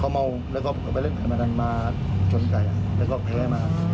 เขามองแล้วมาเล่นพนันมาชนไก่แล้วก็แพ้มา